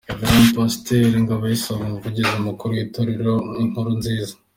Rev Pastor Ngaboyisonga umuvugizi mukuru w'itorero Inkuru-Nziza.